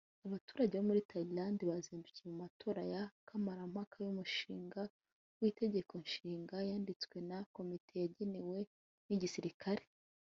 Abaturage muri Tayilande bazindukiye mu matora ya kamarampaka y'umushinga wi'itegekonshinga ryanditswe na komite yagenwe n'igisirikare